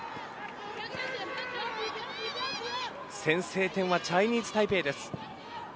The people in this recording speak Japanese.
先制点はチャイニーズタイペイです。